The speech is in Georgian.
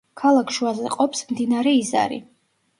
ქალაქს შუაზე ყოფს მდინარე იზარი.